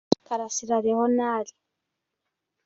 Karasira Leonard